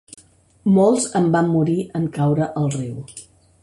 Molts en van morir en caure al riu.